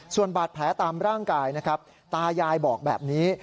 ส่วนบาดแผลตามร่างกายนะครับตายายบอกแบบนี้